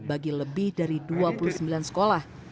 bagi lebih dari dua puluh sembilan sekolah